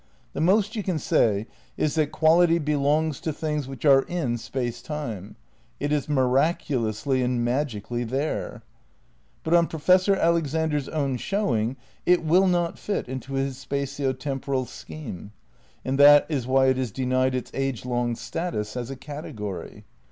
The most you can say is that quality belongs to things which are in Space Time. It is miraculously and magically '' there. '' But on Professor Alexander 's own showing it will not fit into his spatio temporal scheme. And that is why it is denied its age long status as a category.